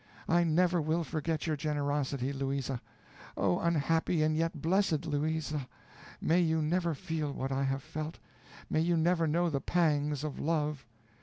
I never will forget your generosity, Louisa. Oh, unhappy and yet blessed Louisa! may you never feel what I have felt may you never know the pangs of love.